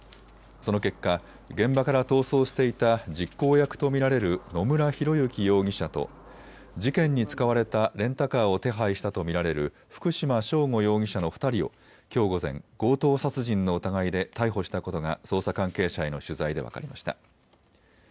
その結果、現場から逃走していた実行役と見られる野村広之容疑者と事件に使われたレンタカーを手配したと見られる福島聖悟容疑者の２人をきょう午前、強盗殺人の疑いで逮捕したことが捜査関係者への取材で分かりました。